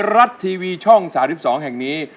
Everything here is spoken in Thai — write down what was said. รัฐทีวีช่อง๓๒แห่งนี้